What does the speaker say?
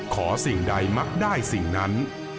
สิ่งใดมักได้สิ่งนั้น